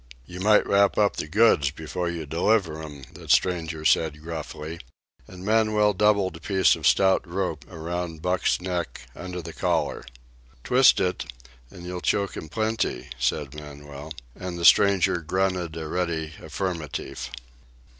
"You might wrap up the goods before you deliver 'm," the stranger said gruffly, and Manuel doubled a piece of stout rope around Buck's neck under the collar. "Twist it, an' you'll choke 'm plentee," said Manuel, and the stranger grunted a ready affirmative.